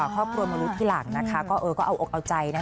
ครอบครัวมนุษย์ที่หลังนะคะก็เอาออกเอาใจนะ